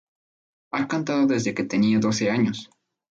Ha cantado desde que tenía doce años.